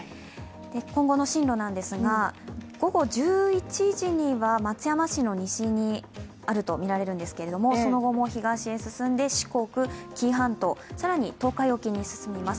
今後の進路なんですが、午後１１時には松山市の西にあるとみられるんですが、その後も東へ進んで、四国、紀伊半島、更に、東海沖に進みます。